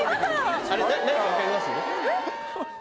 あれ何かわかります？